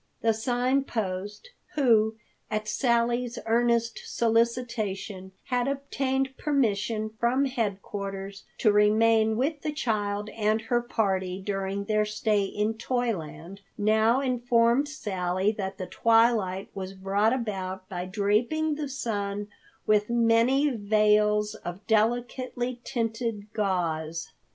The Sign Post, who, at Sally's earnest solicitation, had obtained permission from headquarters to remain with the child and her party during their stay in Toyland, now informed Sally that the twilight was brought about by draping the sun with many veils of delicately tinted gauze.